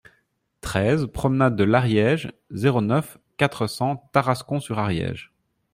treize promenade de l'Ariège, zéro neuf, quatre cents, Tarascon-sur-Ariège